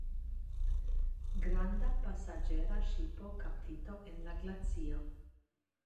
Granda pasaĝera ŝipo kaptita en la glacio.